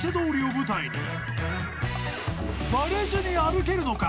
舞台にバレずに歩けるのか？］